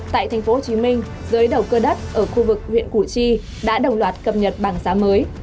tại tp hcm giới đầu cơ đất ở khu vực huyện củ chi đã đồng loạt cập nhật bảng giá mới